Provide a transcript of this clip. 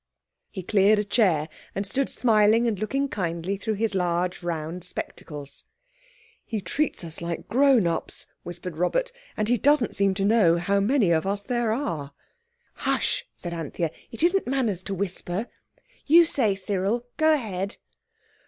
He cleared a chair, and stood smiling and looking kindly through his large, round spectacles. "He treats us like grown ups," whispered Robert, "and he doesn't seem to know how many of us there are." "Hush," said Anthea, "it isn't manners to whisper. You say, Cyril—go ahead."